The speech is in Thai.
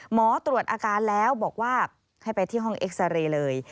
หมอตรวจอาการแล้วบอกว่าให้ไปที่ห้องเอ็กซาเรย์เลย